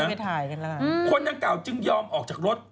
ไปถ่ายกันแล้วล่ะคนดังกล่าจึงยอมออกจากรถ